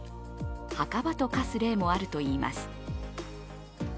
墓場と化す例もあるといいます。